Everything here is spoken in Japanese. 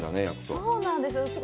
そうなんです。